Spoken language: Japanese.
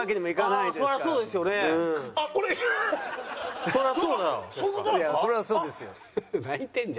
いやそれはそうですよ。